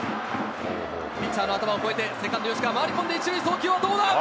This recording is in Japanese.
ピッチャーの頭を越えて、セカンド、吉川、回り込んで、１塁送球はどうだ。